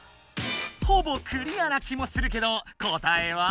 ほぼクリアな気もするけど答えは？